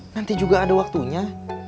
nanti juga ada waktunya